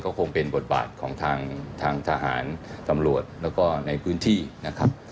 คงเป็นบทบาทของทางทหารตำรวจแล้วก็ในพื้นที่นะครับ